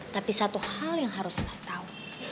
tapi satu hal yang harus mas tau